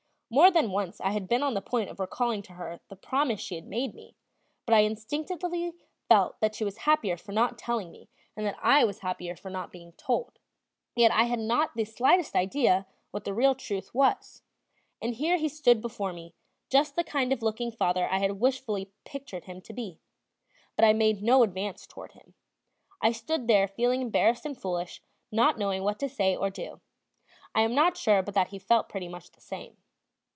More than once I had been on the point of recalling to her the promise she had made me, but I instinctively felt that she was happier for not telling me and that I was happier for not being told; yet I had not the slightest idea what the real truth was. And here he stood before me, just the kind of looking father I had wishfully pictured him to be; but I made no advance toward him; I stood there feeling embarrassed and foolish, not knowing what to say or do. I am not sure but that he felt pretty much the same.